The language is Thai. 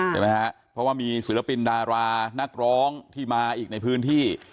ค่ะเพราะว่ามีศือรปินดารานักร้องที่มาอีกในพื้นที่